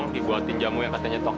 kita pergi makan yuk